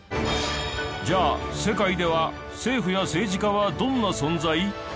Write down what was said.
じゃあ世界では政府や政治家はどんな存在？